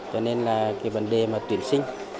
cho nên là cái vấn đề mà tuyển sinh